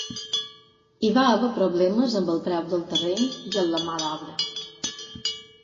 Hi va haver problemes amb el preu del terreny i amb la mà d'obra.